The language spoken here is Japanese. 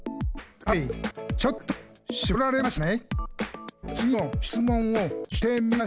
「はいちょっとしぼられましたね」